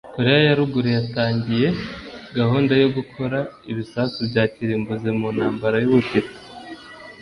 Koreya ya Ruguru yatangiye gahunda yo gukora ibisasu bya kirimbuzi mu ntambara y’Ubutita